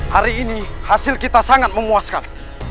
hari ini hasil kita sangat memuaskan